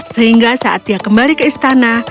sehingga saat dia kembali ke istana